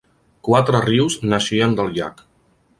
Quatre rius naixien del llac.